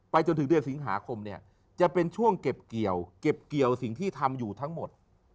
จนถึงเดือนสิงหาคมเนี่ยจะเป็นช่วงเก็บเกี่ยวเก็บเกี่ยวสิ่งที่ทำอยู่ทั้งหมด